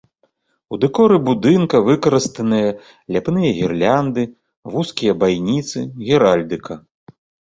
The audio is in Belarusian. У дэкоры будынка выкарыстаныя ляпныя гірлянды, вузкія байніцы, геральдыка.